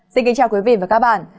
xin kính chào quý vị và các bạn